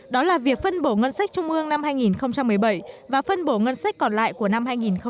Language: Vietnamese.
đó là việc phân bổ ngân sách trung ương năm hai nghìn một mươi bảy và phân bổ ngân sách còn lại của năm hai nghìn một mươi chín